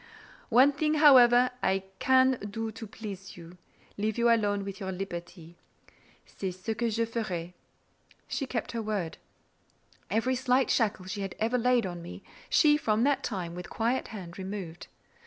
One thing, however, I can do to please you—leave you alone with your liberty: c'est ce que je ferai." She kept her word. Every slight shackle she had ever laid on me, she, from that time, with quiet hand removed.